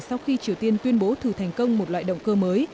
sau khi triều tiên tuyên bố thử thành công một loại động cơ mới